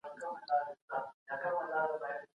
که ته ښوونځي ته ځې.